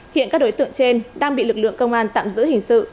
hiện các đối tượng trên đang bị lực lượng công an tạm giữ hình sự